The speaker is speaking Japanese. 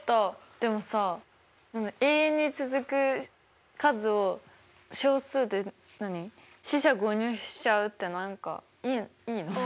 でもさ永遠に続く数を小数で四捨五入しちゃうって何かいいの？